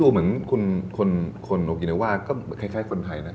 เหมือนคนโอกินาว่าก็คล้ายคนไทยนะ